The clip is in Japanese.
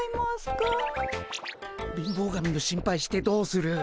貧乏神の心配してどうする。